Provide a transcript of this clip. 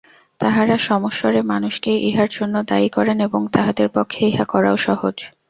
তাঁহারা সমস্বরে মানুষকেই ইহার জন্য দায়ী করেন এবং তাঁহাদের পক্ষে ইহা করাও সহজ।